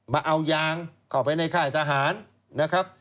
มาเอายางเข้าไปในค่ายทหารนะครับ